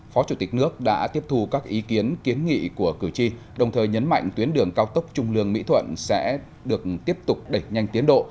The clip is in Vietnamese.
phó chủ tịch nước đã tiếp thu các ý kiến kiến nghị của cử tri đồng thời nhấn mạnh tuyến đường cao tốc trung lương mỹ thuận sẽ được tiếp tục đẩy nhanh tiến độ